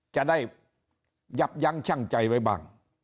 จะได้ยับยั้งชั่งใจไว้บ้าง